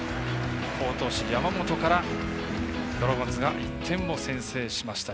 好投手、山本からドラゴンズが１点先制しました。